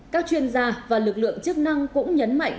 các chuyên gia và lực lượng chức năng cũng nhấn mạnh